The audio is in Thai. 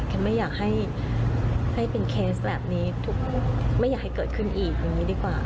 ไม่อยากให้เป็นเคสแบบนี้ทุกไม่อยากให้เกิดขึ้นอีกอย่างนี้ดีกว่า